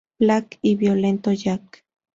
Black y Violento Jack.